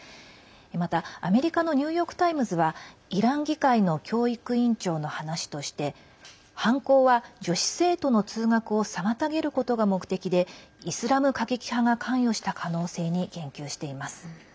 また、アメリカのニューヨーク・タイムズはイラン議会の教育委員長の話として犯行は、女子生徒の通学を妨げることが目的でイスラム過激派が関与した可能性に言及しています。